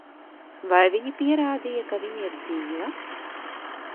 Vai viņi pierādīja, ka viņa ir dzīva?